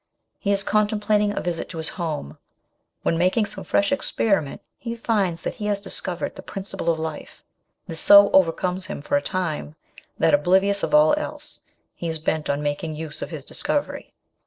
He is contem plating a visit to his home, when, making some fresh experiment, he finds that he has discovered the prin ciple of life ; this so overcomes him for a time that, oblivious of all else, he is bent on making use of his discovery.